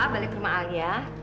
kenapa pak balik rumah alia